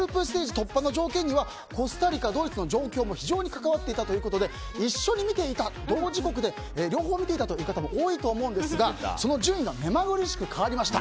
突破の条件にはコスタリカ、ドイツの状況も非常に関わっていたということで同時刻で両方見ていた方も多いと思いますが、その順位はめまぐるしく変わりました。